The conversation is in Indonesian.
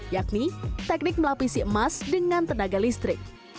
yakni teknik melapisi emas dengan tenaga listrik